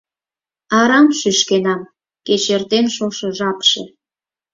Арам шӱшкенам, кеч эртен шошо жапше.